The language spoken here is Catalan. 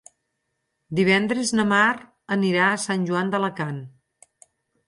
Divendres na Mar anirà a Sant Joan d'Alacant.